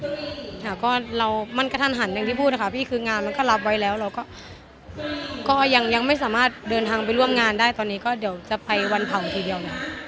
ค่ะก็เรามันกระทันหันอย่างที่พูดนะคะพี่คืองานมันก็รับไว้แล้วเราก็ยังไม่สามารถเดินทางไปร่วมงานได้ตอนนี้ก็เดี๋ยวจะไปวันเผาทีเดียวเนี่ย